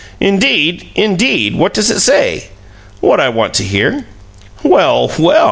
"Indeed, indeed? What does it say?" "What I want to hear." "Well, well!"